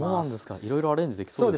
いろいろアレンジできそうですね。